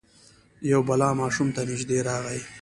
یو بلا ماشوم ته نژدې راغی.